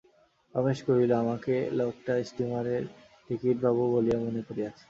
রমেশ কহিল, আমাকে লোকটা স্টীমারের টিকিটবাবু বলিয়া মনে করিয়াছে।